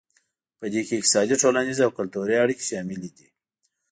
پدې کې اقتصادي ټولنیز او کلتوري اړیکې شاملې دي